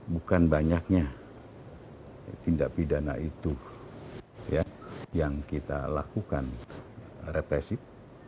bukan banyaknya tindak pidana itu yang kita lakukan represif